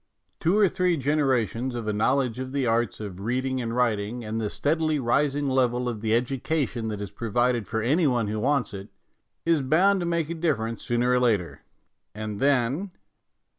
Two or three generations of a knowledge of the arts of reading and writ ing, and the steadily rising level of the edu cation that is provided for any one who wants it, is bound to make a difference sooner or later. And then.